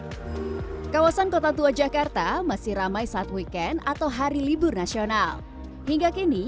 hai kawasan kota tua jakarta masih ramai saat weekend atau hari libur nasional hingga kini